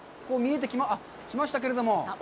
見えてきましたけれども。